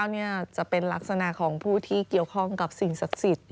นี่จะเป็นลักษณะของผู้ที่เกี่ยวข้องกับสิ่งศักดิ์สิทธิ์